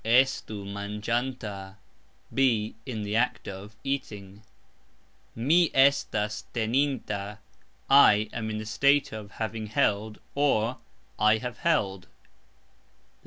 Estu mangxanta .............. Be (in the act of) eating. Mi estas teninta ............ I am (in the state of) having held, or, I have held.